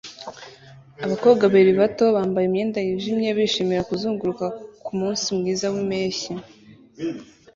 Abakobwa babiri bato bambaye imyenda yijimye bishimira kuzunguruka kumunsi mwiza wimpeshyi